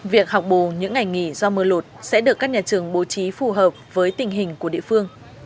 việc học bù những ngày nghỉ do mưa lụt sẽ được các nhà trường bố trí phù hợp với tình hình của địa phương